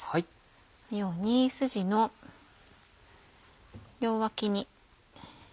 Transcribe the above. このようにスジの両脇に。